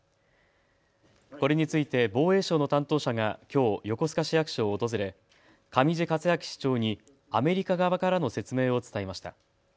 これについて防衛省の担当者がきょう横須賀市役所を訪れ上地克明市長にアメリカ側からの説明を伝えました。